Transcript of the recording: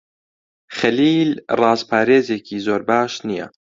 خەلیل ڕازپارێزێکی زۆر باش نییە.